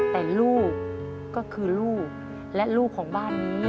แต่ลูกก็คือลูกและลูกของบ้านนี้